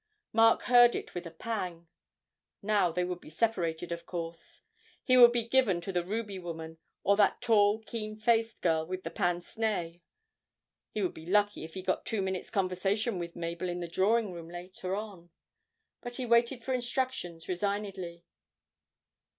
Mark heard it with a pang. Now they would be separated, of course; he would be given to the ruby woman, or that tall, keen faced girl with the pince nez; he would be lucky if he got two minutes' conversation with Mabel in the drawing room later on. But he waited for instructions resignedly.